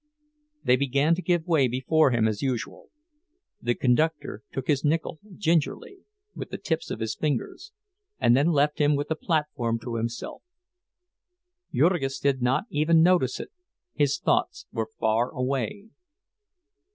They began to give way before him as usual. The conductor took his nickel gingerly, with the tips of his fingers, and then left him with the platform to himself. Jurgis did not even notice it—his thoughts were far away.